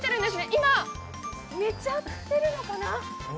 今、寝ちゃっているのかな？